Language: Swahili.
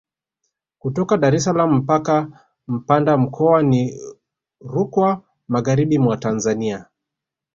Kutoka Dar es salaam mpaka Mpanda mkoa ni Rukwa magharibi mwa Tanzania